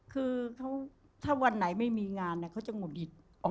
คือเขาถ้าวันไหนไม่มีงานเนี่ยเขาจะหงุดอิด